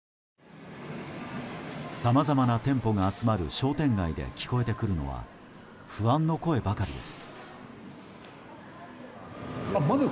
さまざまな店舗が集まる商店街で聞こえてくるのは不安の声ばかりです。